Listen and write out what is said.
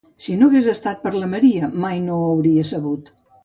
Si no hagués estat per la Maria, mai no ho hauria sabut.